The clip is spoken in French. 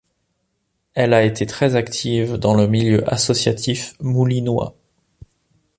Elle a été très active dans le milieu associatif moulinois.